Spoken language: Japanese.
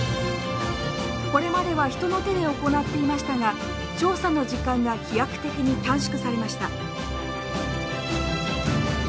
これまでは人の手で行っていましたが調査の時間が飛躍的に短縮されました。